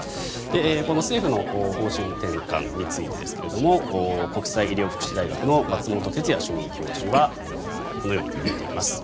この政府の方針転換についてですが国際医療福祉大学の松本哲哉主任教授はこのように述べています。